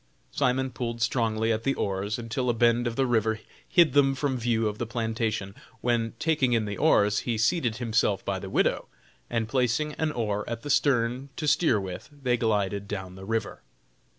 Simon pulled strongly at the oars until a bend of the river hid them from view of the plantation, when, taking in the oars, he seated himself by the widow, and placing an oar at the stern to steer with, they glided down the river.